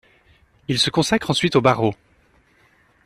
Il se consacre ensuite au barreau.